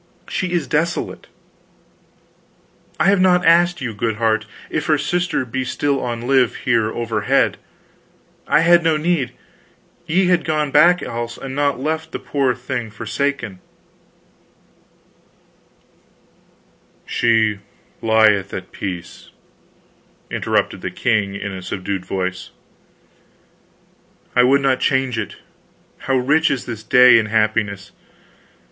She is desolate. I have not asked you, good heart, if her sister be still on live, here overhead; I had no need; ye had gone back, else, and not left the poor thing forsaken " "She lieth at peace," interrupted the king, in a subdued voice. "I would not change it. How rich is this day in happiness!